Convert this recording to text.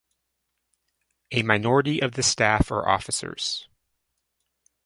A minority of the staff are officers.